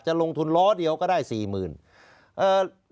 ลงทุนล้อเดียวก็ได้๔๐๐๐บาท